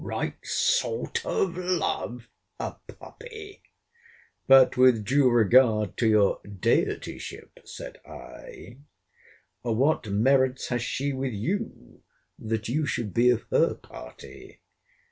Right sort of love!—A puppy!—But, with due regard to your deityship, said I, what merits has she with YOU, that you should be of her party?